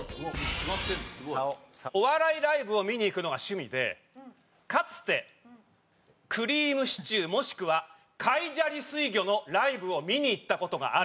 お笑いライブを見に行くのが趣味でかつてくりぃむしちゅーもしくは海砂利水魚のライブを見に行った事がある。